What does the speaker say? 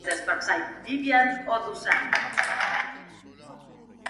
Estos sistemas se diferencian de bisturí de rayos gamma en una variedad de maneras.